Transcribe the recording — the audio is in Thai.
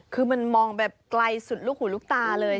คือมันมองแบบไกลสุดลูกหูลูกตาเลย